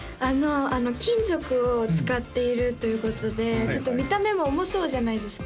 金属を使っているということでちょっと見た目も重そうじゃないですか